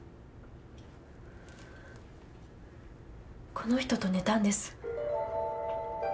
この人と寝たんです。